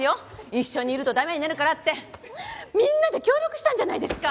一緒にいるとダメになるからってみんなで協力したんじゃないですか！